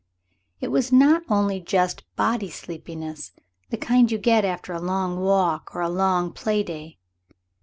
It was not only just body sleepiness: the kind you get after a long walk or a long play day.